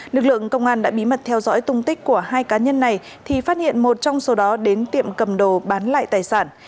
lực lượng công an đã bí mật theo dõi tung tích của hai cá nhân này thì phát hiện một trong số đó đến tiệm cầm đồ bán lại tài sản